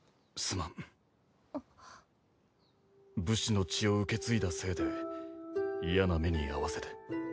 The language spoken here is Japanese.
武士の血を受け継いだせいで嫌な目に遭わせて。